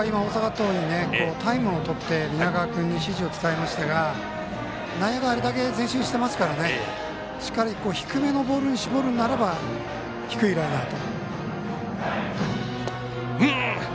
ここは今タイムをとって指示を伝えましたが内野があれだけ前進してますからしっかり低めのボールに絞るなら低いライナーと。